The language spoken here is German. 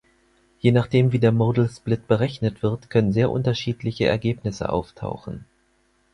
Je nachdem, wie der Modal Split berechnet wird, können sehr unterschiedliche Ergebnisse auftauchen.